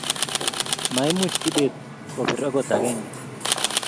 Maimuch Kibet kopir agot agenge